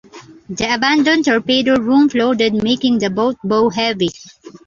The abandoned torpedo room flooded, making the boat bow-heavy.